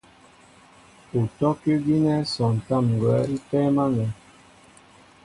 Utɔ́' kʉ́ gínɛ́ sɔntám ŋgwα̌ í tɛ́ɛ́m ánɛ̄.